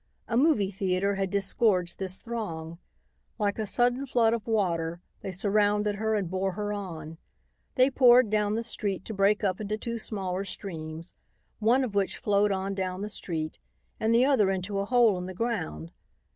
A movie theater had disgorged this throng. Like a sudden flood of water, they surrounded her and bore her on. They poured down the street to break up into two smaller streams, one of which flowed on down the street and the other into a hole in the ground.